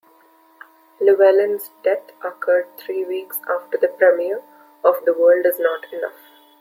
Llewelyn's death occurred three weeks after the premiere of "The World Is Not Enough".